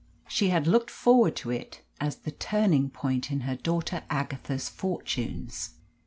She had looked forward to it as the turning point in her daughter Agatha's fortunes.